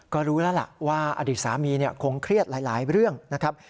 ก็รู้แล้วล่ะว่าอดีตสามีคงเครียดหลายเรื่องนะครับ